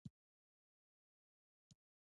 پر یوې ډبرینې چوکۍ باندې کښېناستو.